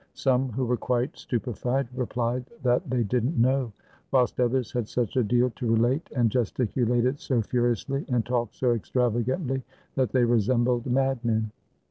Some, who were quite stupefied, replied that they did n't know; whilst others had such a deal to relate, and gesticulated so furiously, and talked so ex travagantly, that they resembled madmen.